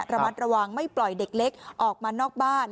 ระมัดระวังไม่ปล่อยเด็กเล็กออกมานอกบ้าน